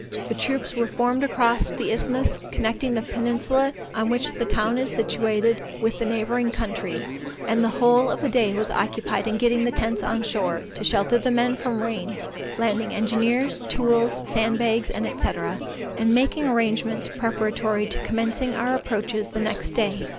The troops were formed across the isthmus connecting the peninsula on which the town is situated with the neighboring country, and the whole of the day was occupied in getting the tents on shore, to shelter the men from rain, landing engineers, tools, sand bags, &c., and making arrangements preparatory to commencing our approaches the next day.